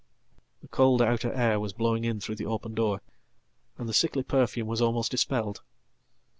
The cold outer air was blowing in through the open door, and the sicklyperfume was almost dispelled.